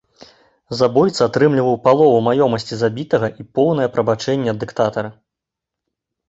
Забойца атрымліваў палову маёмасці забітага і поўнае прабачэнне ад дыктатара.